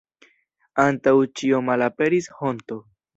Antaŭ ĉio malaperis honto.